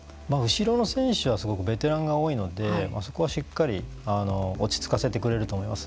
後ろの選手はすごくベテランが多いのでそこはしっかり落ち着かせてくれると思います。